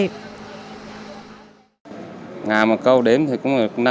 ngà mà câu đếm thì cũng là năm sáu trăm